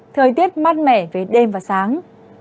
thời tiết mát mẻ với đêm và sáng